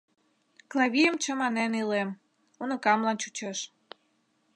Клавийым чаманен илем: уныкамла чучеш.